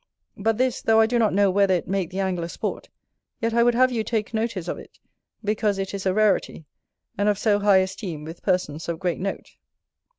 But this, though I do not know whether it make the angler sport, yet I would have you take notice of it, because it is a rarity, and of so high esteem with persons of great note.